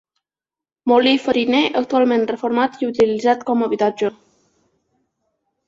Molí fariner actualment reformat i utilitzat com a habitatge.